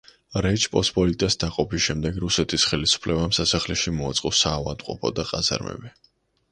რეჩ პოსპოლიტას დაყოფის შემდეგ რუსეთის ხელისუფლებამ სასახლეში მოაწყო საავადმყოფო და ყაზარმები.